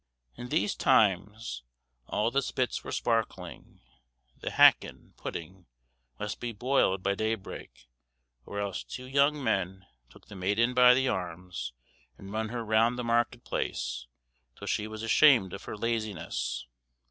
"In these times all the spits were sparkling, the hackin (pudding) must be boil'd by day break, or else two young men took the maiden by the arms, and run her round the market place, till she was ashamed of her laziness."